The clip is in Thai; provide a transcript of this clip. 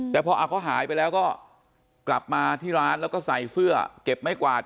แต่พอเขาหายไปแล้วก็กลับมาที่ร้านแล้วก็ใส่เสื้อเก็บไม้กวาด